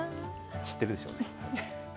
散ってるでしょうね。